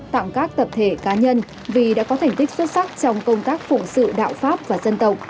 tặng các tập thể cá nhân vì đã có thành tích xuất sắc trong công tác phụ sự đạo pháp và dân tộc